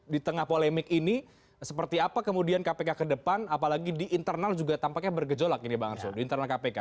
di tengah polemik ini seperti apa kemudian kpk ke depan apalagi di internal juga tampaknya bergejolak ini bang arsul di internal kpk